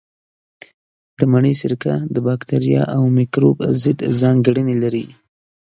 د مڼې سرکه د باکتریا او مېکروب ضد ځانګړنې لري.